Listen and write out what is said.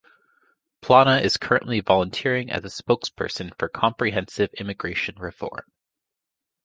Plana is currently volunteering as a spokesperson for Comprehensive Immigration Reform.